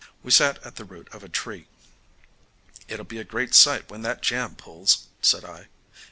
We sat at the root of a tree. "It'll be a great sight when that jam pulls," said I.